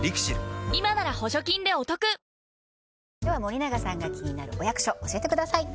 今なら補助金でお得では森永さんが気になるお役所教えてください